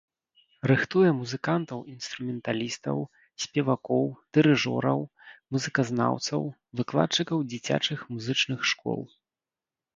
Рыхтуе музыкантаў-інструменталістаў, спевакоў, дырыжораў, музыказнаўцаў, выкладчыкаў дзіцячых музычных школ.